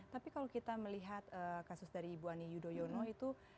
tapi kalau kita melihat kasus dari ibu ani yudhoyono itu